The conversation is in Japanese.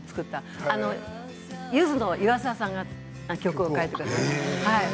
ゆずの岩沢さんが曲を書いてくれて。